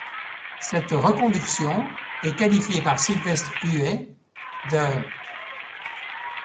Cette reconduction est qualifiée par Sylvestre Huet d'.